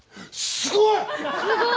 すごい！